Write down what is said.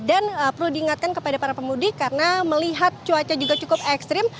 dan perlu diingatkan kepada para pemudik karena melihat cuaca juga cukup ekstrim